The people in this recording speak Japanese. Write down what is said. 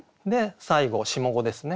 最後下五ですね。